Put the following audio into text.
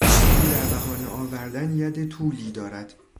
او در بهانه آوردن ید طولی دارد.